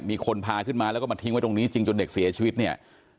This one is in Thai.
มีคนพาขึ้นมาแล้วก็มาทิ้งไว้ตรงนี้จริงจนเด็กเสียชีวิตเนี่ย